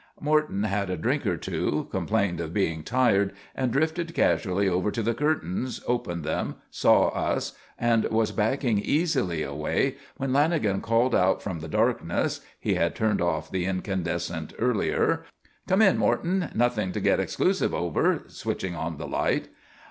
'" Morton had a drink or two, complained of being tired, and drifted casually over to the curtains, opened them, saw us, and was backing easily away when Lanagan called out from the darkness he had turned off the incandescent earlier: "Come in, Morton. Nothing to get exclusive over," switching on the light.